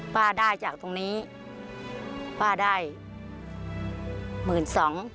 ป้าได้จากตรงนี้ป้าได้หมื่นสอง